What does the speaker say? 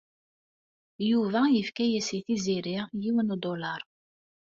Yuba yefka-as i Tiziri yiwen udulaṛ.